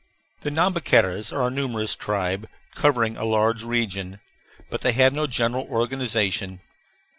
The Nhambiquaras are a numerous tribe, covering a large region. But they have no general organization.